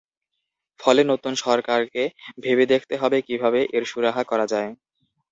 ফলে নতুন সরকারকে ভেবে দেখতে হবে, কীভাবে এর সুরাহা করা যায়।